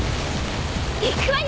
いくわよ！